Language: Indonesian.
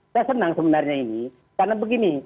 saya senang sebenarnya ini karena begini